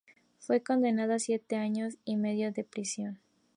Fue condenado a siete años y medio de prisión.